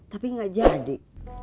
tapi gak jadi